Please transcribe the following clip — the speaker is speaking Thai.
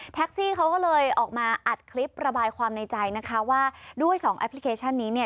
แท็กซี่เขาก็เลยออกมาอัดคลิประบายความในใจนะคะว่าด้วยสองแอปพลิเคชันนี้เนี่ย